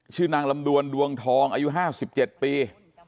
ชื่อนางลำดวนดวงทองอายุ๕๗ปี